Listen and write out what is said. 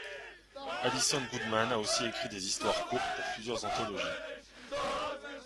Alison Goodman a aussi écrit des histoires courtes pour plusieurs anthologies.